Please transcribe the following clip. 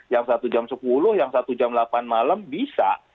yang satu jam sepuluh yang satu jam delapan malam bisa